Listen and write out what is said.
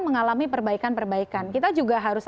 mengalami perbaikan perbaikan kita juga harus